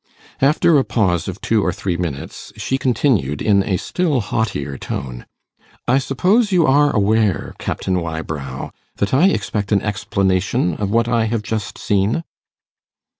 After a pause of two or three minutes, she continued in a still haughtier tone, 'I suppose you are aware, Captain Wybrow, that I expect an explanation of what I have just seen.